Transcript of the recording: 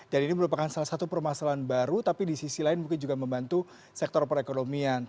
dan ini merupakan salah satu permasalahan baru tapi di sisi lain mungkin juga membantu sektor perekonomian